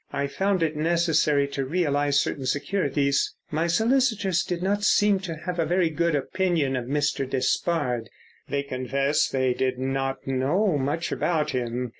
I found it necessary to realise certain securities. My solicitors did not seem to have a very good opinion of Mr. Despard. They confessed they did not know much about him.